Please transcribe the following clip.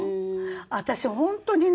私本当にね